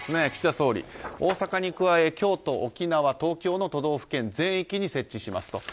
総理大阪に加え、京都、沖縄、東京の都道府県全域に設置しますと。